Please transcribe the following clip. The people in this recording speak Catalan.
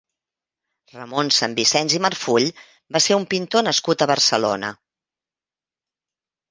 Ramon Sanvisens i Marfull va ser un pintor nascut a Barcelona.